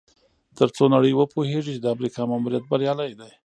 تر څو نړۍ وپوهیږي چې د امریکا ماموریت بریالی دی.